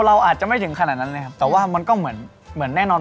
เราอาจจะไม่ถึงขนาดนั้นเลยครับแต่ว่ามันก็เหมือนเหมือนแน่นอน